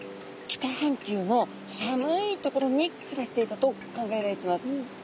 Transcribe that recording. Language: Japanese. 北半球の寒い所に暮らしていたと考えられてます。